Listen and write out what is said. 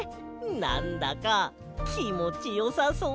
なんだかきもちよさそう！